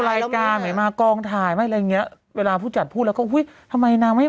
ไม่แต่ถ้าถึงขั้นคนคนต้องไปช่วยออกมาแล้วเข้าไอซียูมันก็คือโอ้ว่าฮะ